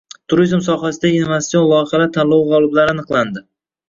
Turizm sohasidagi innovatsion loyihalar tanlovi g‘oliblari aniqlandi